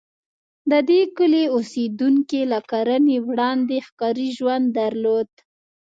د دې کلي اوسېدونکي له کرنې وړاندې ښکاري ژوند درلود.